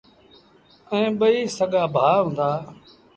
ائيٚݩ ٻئيٚ سڳآ ڀآ هُݩدآ۔